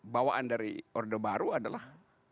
bawaan dari orde baru adalah